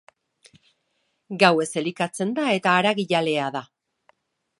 Gauez elikatzen da eta haragijalea da.